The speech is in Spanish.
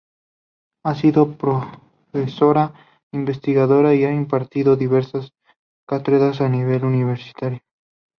Ha sido profesora investigadora y ha impartido diversas cátedras a nivel universitario.